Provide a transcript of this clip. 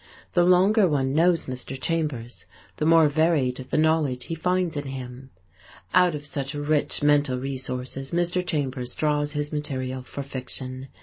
The longer one knows Mr. Chambers, the more varied the knowledge he finds in him. Out of such rich mental resources Mr. Chambers draws his material for fiction.